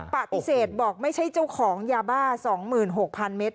ปฏิเสธบอกไม่ใช่เจ้าของยาบ้า๒๖๐๐๐เมตร